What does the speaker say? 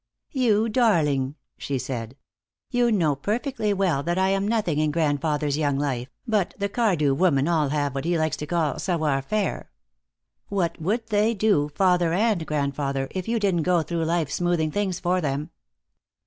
"You darling!" she said. "You know perfectly well that I am nothing in grandfather's young life, but the Cardew women all have what he likes to call savoir faire. What would they do, father and grandfather, if you didn't go through life smoothing things for them?"